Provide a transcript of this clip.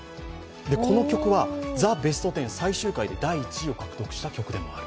この局は「ザ・ベストテン」で第１位を獲得した曲でもある。